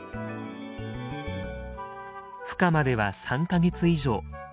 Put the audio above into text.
ふ化までは３か月以上。